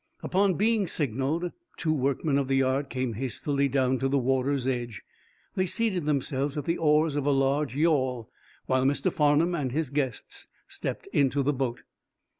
Upon being signaled two workmen of the yard came hastily down to the water's edge. They seated themselves at the oars of a large yawl, while Mr. Farnum and his guests stepped into the boat.